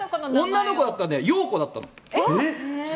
女の子だったら陽子だったの。